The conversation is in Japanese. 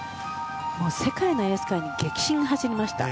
世界の水泳界に激震が走りました。